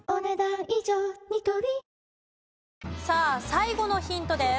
最後のヒントです。